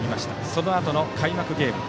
そのあとの開幕ゲーム。